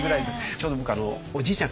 ちょうど僕おじいちゃん